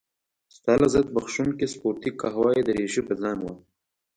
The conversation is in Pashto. ستا لذت بخښونکې سپورتي قهوه يي دريشي په ځان وه.